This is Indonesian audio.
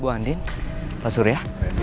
bu andin pak surya